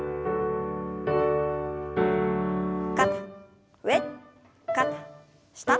肩上肩下。